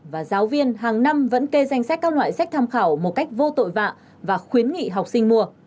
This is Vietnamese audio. và giáo viên hàng năm vẫn kê danh sách các loại sách tham khảo một cách vô tội vạ và khuyến nghị học sinh mua